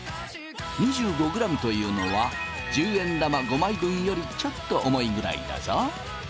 ２５ｇというのは１０円玉５枚分よりちょっと重いぐらいだぞ。